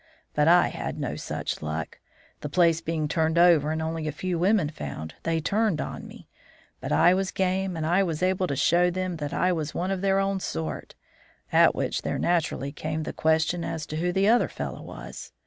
"But I had no such luck. The place being turned over, and only a few women found, they turned on me. But I was game, and was soon able to show them I was one of their own sort. At which there naturally came the question as to who the other fellow was.